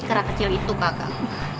keras kecil itu kakak